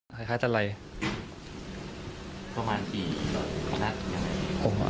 คล้ายตะไลประมาณ๔รถนัดยังไง